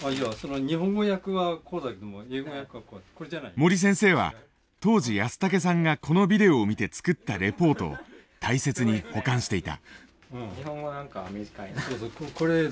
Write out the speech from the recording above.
森先生は当時安竹さんがこのビデオを見て作ったレポートを大切に保管していた。